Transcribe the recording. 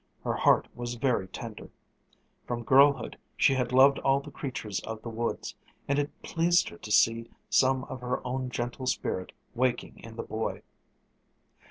Her heart was very tender. From girlhood she had loved all the creatures of the woods, and it pleased her to see some of her own gentle spirit waking in the boy.